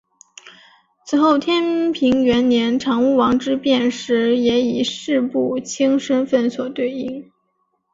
此后天平元年长屋王之变时也以式部卿身份所对应。